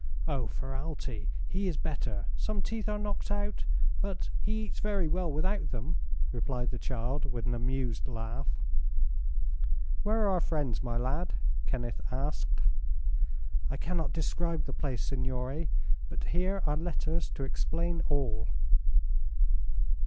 "Oh, Ferralti? He is better. Some teeth are knocked out, but he eats very well without them," replied the child, with an amused laugh. "Where are our friends, my lad?" Kenneth asked. "I cannot describe the place, signore; but here are letters to explain all."